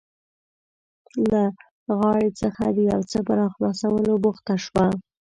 له غاړې څخه د یو څه په راخلاصولو بوخته شوه.